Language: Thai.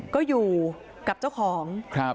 ก็อยู่กับเจ้าของ